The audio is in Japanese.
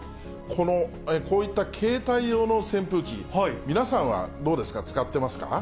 こういった携帯用の扇風機、皆さんはどうですか、使ってます